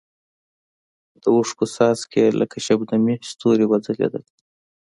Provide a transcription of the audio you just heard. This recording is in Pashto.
د اوښکو څاڅکي یې لکه شبنمي ستوري وځلېدل.